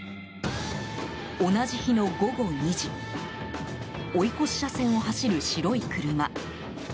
同じ日の午後２時追い越し車線を走る白い車。